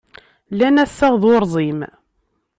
Lan assaɣ d urẓim.